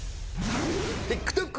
ＴｉｋＴｏｋ